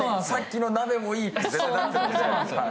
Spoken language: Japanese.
さっきの鍋もいい。